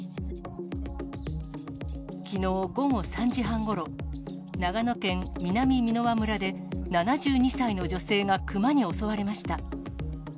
きのう午後３時半ごろ、長野県南箕輪村で、７２歳の女性がクマに襲われました。